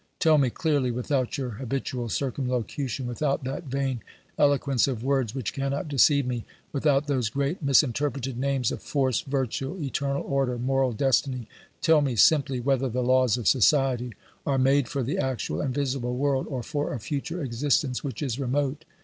Tell me clearly, without your habitual circumlocution, without that vain eloquence of words which cannot deceive me, without those great misinterpreted names of force, virtue, eternal order, moral destiny — tell me simply whether the laws of society are made for the actual and visible world, or for a future existence which is remote